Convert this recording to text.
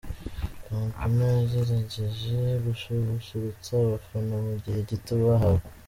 Vampino yagerageje gususurutsa abafana mu gihe gito bahawe.